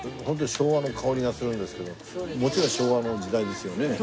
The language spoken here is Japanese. ホントに昭和の香りがするんですけどもちろん昭和の時代ですよね？